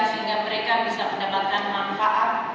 sehingga mereka bisa mendapatkan manfaat